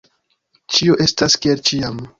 Ĉio estas kiel ĉiam.